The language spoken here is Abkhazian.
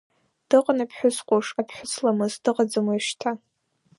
Дыҟан аԥҳәыс ҟәыш, аԥҳәыс ламыс, дыҟаӡам уажәшьҭа.